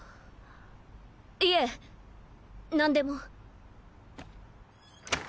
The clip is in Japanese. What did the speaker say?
いえ何でも。